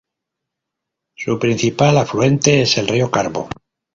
Su principal afluente es el río Carbo.